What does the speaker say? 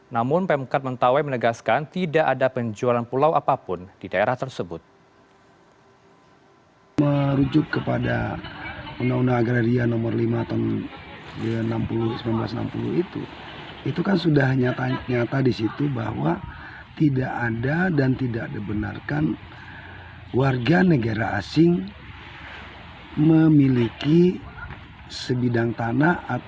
namun pemekat mentawai menegaskan tidak ada penjualan pulau apapun di daerah tersebut